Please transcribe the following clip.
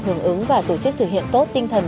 hưởng ứng và tổ chức thực hiện tốt tinh thần